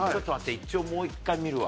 一応もう１回見るわ。